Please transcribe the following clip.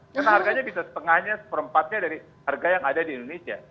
karena harganya bisa setengahnya seperempatnya dari harga yang ada di indonesia